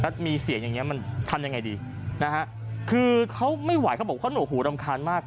ถ้ามีเสียงอย่างเงี้มันทำยังไงดีนะฮะคือเขาไม่ไหวเขาบอกเขาหนวกหูรำคาญมาก